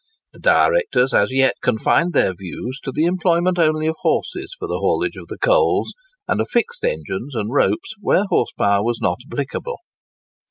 The directors as yet confined their views to the employment only of horses for the haulage of the coals, and of fixed engines and ropes where horse power was not applicable.